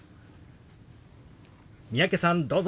三宅さんどうぞ。